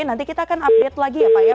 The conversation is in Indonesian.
nanti kita akan update lagi ya pak ya